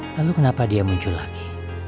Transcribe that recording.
lalu kenapa dia muncul lagi